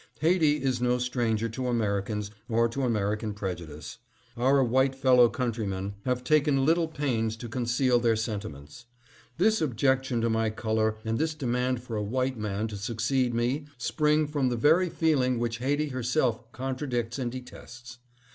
" Haiti is no stranger to Americans or to American prejudice. Our white fellow countrymen have taken little pains to conceal their sentiments. This objec tion to my color and this demand for a white man to succeed me spring from the very feeling which Haiti herself contradicts and detests.